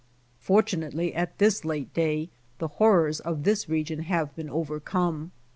Fortunately at this late day the horrors of this region have been overcome.